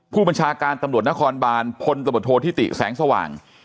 ผู้บัญชาการตำรวจนครบานพลตำรวจโทษธิติแสงสว่าง